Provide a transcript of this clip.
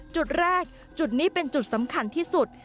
จุดแรกจุดนี้เป็นจุดสำคัญที่สุด